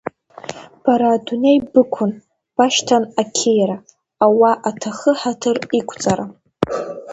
Бара адунеи бықәын, башьҭан ақьиара, ауа-аҭахы ҳаҭыр иқәҵара…